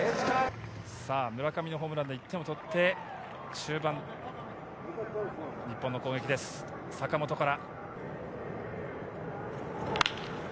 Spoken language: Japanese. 村上のホームランで１点を取って、中盤、日本の攻撃です、坂本から。